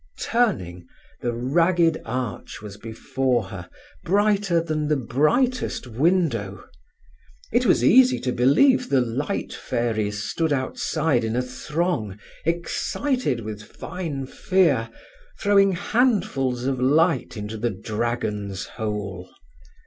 Turning, the ragged arch was before heir, brighter than the brightest window. It was easy to believe the light fairies stood outside in a throng, excited with fine fear, throwing handfuls of light into the dragon's hole.